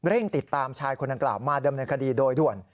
ติดตามชายคนดังกล่าวมาดำเนินคดีโดยด่วน